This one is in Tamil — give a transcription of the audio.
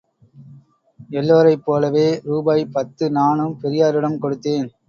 எல்லோரைப் போலவே ரூபாய் பத்து நானும் பெரியாரிடம் கொடுத்தேன்.